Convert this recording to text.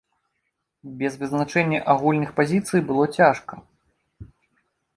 Без вызначэння агульных пазіцый было цяжка.